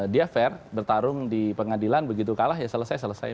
dia fair bertarung di pengadilan begitu kalah ya selesai selesai